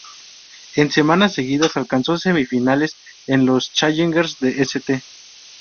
En semanas seguidas alcanzó semifinales en los Challengers de St.